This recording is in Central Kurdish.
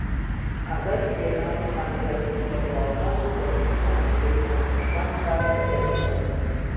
ئازاری سییەکان و خانە دیارکەوتوو بەربڵاوەکان و زیادکردنی ماکرۆفەیج لە نەخۆشەکانی سارس بەدیاردەکەون.